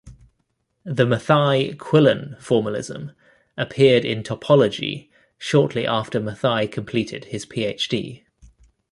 The Mathai-Quillen formalism appeared in Topology shortly after Mathai completed his PhD.